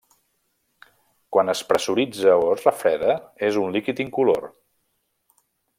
Quan es pressuritza o es refreda, és un líquid incolor.